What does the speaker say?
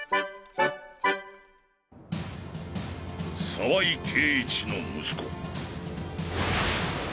澤井圭一の息子。